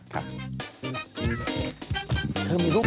เธอมีลูก